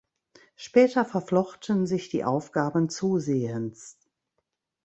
Später verflochten sich die Aufgaben zusehends.